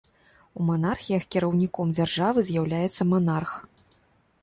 У манархіях кіраўніком дзяржавы з'яўляецца манарх.